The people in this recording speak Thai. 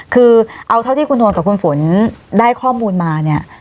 คือเอาเท่าที่คุณทนกับคุณฝนได้ข้อมูลมาเนี่ย